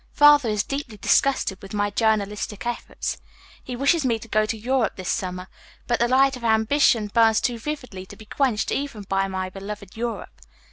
Father is deeply disgusted with my journalistic efforts. He wished me to go to Europe this summer, but the light of ambition burns too vividly to be quenched even by my beloved Europe.